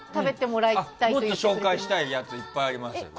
もっと紹介したやついっぱいあります。